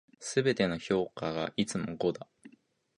全ての評価がいつも五だ。